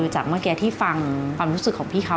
จากเมื่อกี้ที่ฟังความรู้สึกของพี่เขา